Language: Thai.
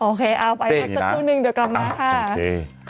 โอเคเอาไปมาเจอกันหนึ่งเดี๋ยวกลับมาค่ะโอเค